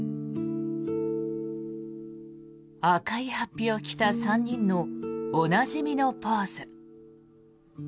赤い法被を着た３人のおなじみのポーズ。